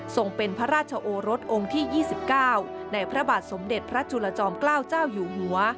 ส่งเป็นพระราชโอรสองค์ที่๒๙ในพระบาทสมเด็จพระจุลจอมเกล้าเจ้าอยู่หัว